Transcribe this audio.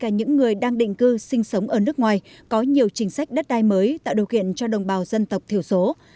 những người đang định cư sinh sống ở nước ngoài có nhiều chính sách đất đai mới tạo điều kiện cho đồng bào dân tộc thiểu số